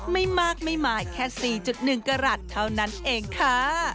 ไม่มากไม่หมายแค่๔๑กรัฐเท่านั้นเองค่ะ